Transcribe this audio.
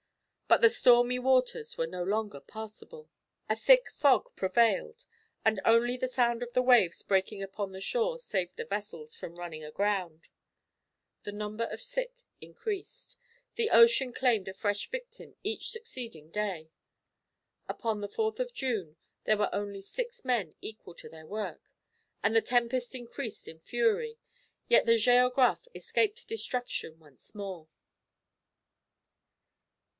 But the stormy waters were no longer passable; a thick fog prevailed, and only the sound of the waves breaking upon the shore saved the vessels from running aground. The number of sick increased. The ocean claimed a fresh victim each succeeding day. Upon the 4th of June there were only six men equal to their work, and the tempest increased in fury, yet the Géographe escaped destruction once more!